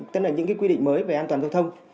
tức là những cái quy định mới về an toàn giao thông